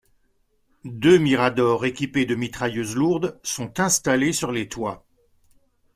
Deux miradors équipés de mitrailleuses lourdes sont installés sur les toits.